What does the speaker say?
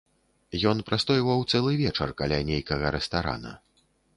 Ён прастойваў цэлы вечар каля нейкага рэстарана.